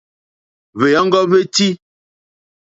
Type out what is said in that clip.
Hwèɔ́ŋɡɔ́ hwétí.